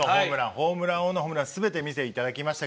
ホームラン王のホームランすべて見ていただきました。